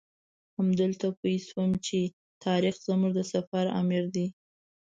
همدلته پوی شوم چې طارق زموږ د سفر امیر دی.